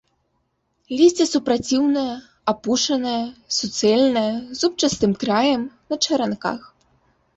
Лісце супраціўнае, апушанае, суцэльнае, з зубчастым краем, на чаранках.